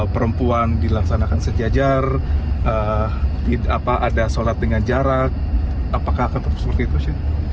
perempuan dilaksanakan sejajar ada sholat dengan jarak apakah akan terus seperti itu